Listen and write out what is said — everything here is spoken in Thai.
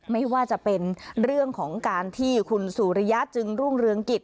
ไม่ว่าจะเป็นเรื่องของการที่คุณสุริยะจึงรุ่งเรืองกิจ